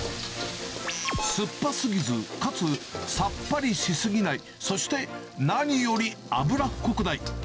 酸っぱすぎず、かつさっぱりし過ぎない、そして何より脂っこくない。